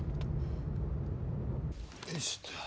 よいしょ。